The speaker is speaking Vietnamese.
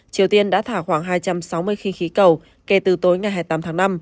triều tiên đã thả khoảng hai trăm sáu mươi khinh khí cầu kể từ tối ngày hai mươi tám tháng năm